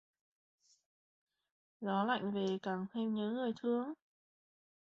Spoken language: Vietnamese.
Gió lạnh về càng thêm nhớ người thương